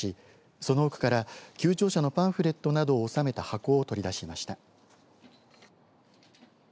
その奥から旧庁舎のパンフレットなどを収めた箱を取り出しました。